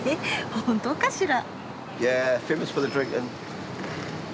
本当かしら？